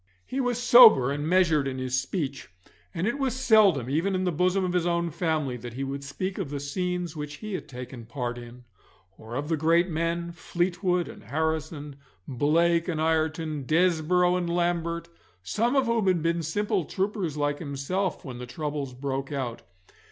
He was sober and measured in his speech, and it was seldom, even in the bosom of his own family, that he would speak of the scenes which he had taken part in, or of the great men, Fleetwood and Harrison, Blake and Ireton, Desborough and Lambert, some of whom had been simple troopers like himself when the troubles broke out.